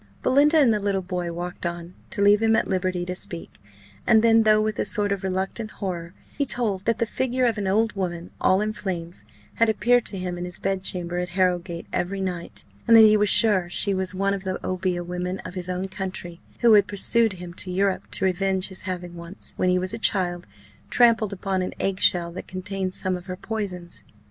Belinda and the little boy walked on, to leave him at liberty to speak; and then, though with a sort of reluctant horror, he told that the figure of an old woman, all in flames, had appeared to him in his bedchamber at Harrowgate every night, and that he was sure she was one of the obeah women of his own country, who had pursued him to Europe to revenge his having once, when he was a child, trampled upon an egg shell that contained some of her poisons.